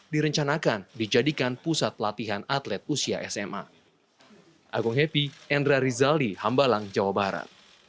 direncanakan dijadikan pusat pelatihan atlet usia sma